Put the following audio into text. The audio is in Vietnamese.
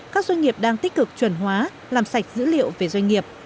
các doanh nghiệp đang tích cực chuẩn hóa làm sạch dữ liệu về doanh nghiệp